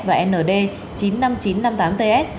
và nd chín mươi năm nghìn chín trăm năm mươi tám ts